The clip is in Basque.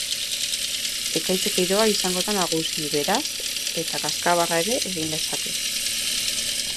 Ekaitz giroa izango da nagusi, beraz, eta kazkabarra ere egin lezake.